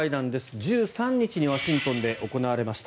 １３日にワシントンで行われました。